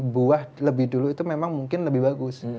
buah lebih dulu itu memang mungkin lebih bagus